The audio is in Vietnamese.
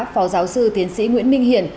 phó giáo sư tiến sĩ nguyễn minh hiển